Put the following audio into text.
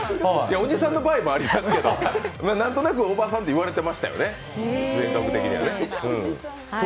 おじさんの場合もありますけど、何となくおばさんっていわれてましたよね、全国的には。